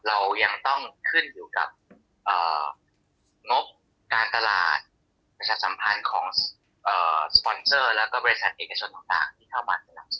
เรายังต้องขึ้นอยู่กับงบการตลาดประชาสัมพันธ์ของสปอนเซอร์แล้วก็บริษัทเอกชนต่างที่เข้ามาในหลัก